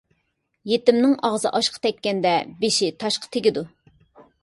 يېتىمنىڭ ئاغزى ئاشقا تەگكەندە، بېشى تاشقا تېگىدۇ.